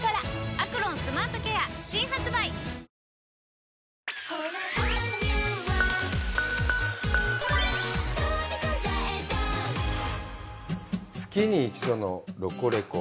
「アクロンスマートケア」新発売！月に１度の「ロコレコ！」。